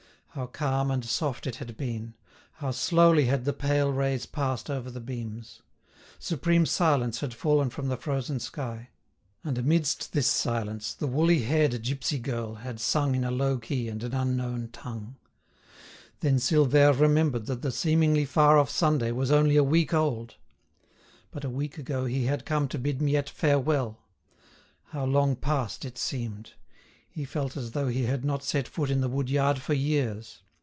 How calm and soft it had been!—how slowly had the pale rays passed over the beams! Supreme silence had fallen from the frozen sky. And amidst this silence, the woolly haired gipsy girl had sung in a low key and an unknown tongue. Then Silvère remembered that the seemingly far off Sunday was only a week old. But a week ago he had come to bid Miette farewell! How long past it seemed! He felt as though he had not set foot in the wood yard for years.